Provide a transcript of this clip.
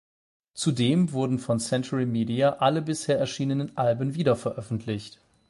Zudem wurden von Century Media alle bisher erschienenen Alben wiederveröffentlicht.